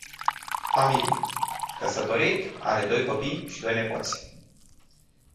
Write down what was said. Familie: căsătorit, are doi copii și doi nepoți.